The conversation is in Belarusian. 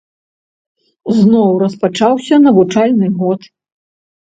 Зноў распачаўся навучальны год.